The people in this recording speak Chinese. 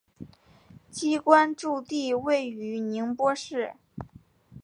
机关驻地位于宁波市。